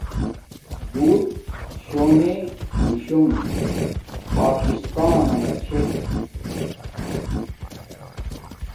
بوت شونے دیشونگ پاکستانانا چھے